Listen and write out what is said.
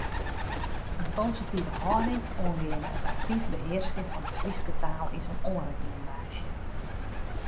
In positive hâlding oangeande it aktyf behearskjen fan de Fryske taal is in oanrekommandaasje.